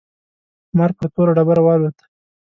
مار پر توره ډبره والوت.